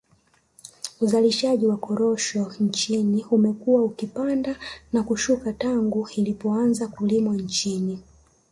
Uzalishaji wa korosho nchini umekuwa ukipanda na kushuka tangu zilipoanza kulimwa nchini